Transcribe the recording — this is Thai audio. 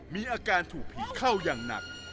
มีอาการถูกผีเข้าอย่างหนัก